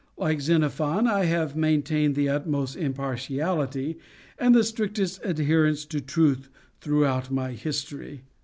Like Xenophon, I have maintained the utmost impartiality, and the strictest adherence to truth throughout my history.